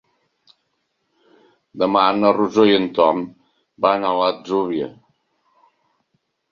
Demà na Rosó i en Tom van a l'Atzúbia.